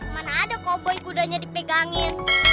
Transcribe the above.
mana ada koboi kudanya dipegangin